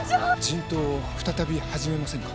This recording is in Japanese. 人痘を再び始めませぬか？